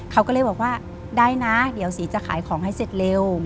เขาก็เลยบอกว่าได้นะเดี๋ยวสีจะขายของให้เสร็จเร็ว